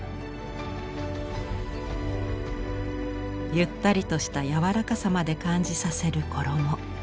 ゆったりとした柔らかさまで感じさせる衣。